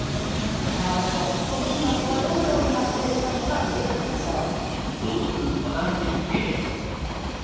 さあでは国文学はどのように発生したのか見ていきましょう。